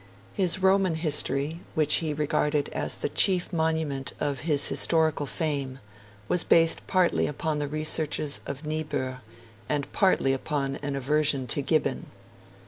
His Roman History, which he regarded as 'the chief monument of his historical fame', was based partly upon the researches of Niebuhr, and partly upon an aversion to Gibbon.